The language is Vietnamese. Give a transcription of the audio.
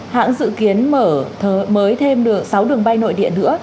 hãng dự kiến mới thêm sáu đường bay nội địa nữa